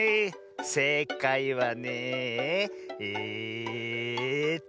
せいかいはねええと。